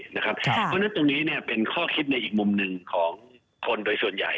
เพราะฉะนั้นตรงนี้เป็นข้อคิดในอีกมุมหนึ่งของคนโดยส่วนใหญ่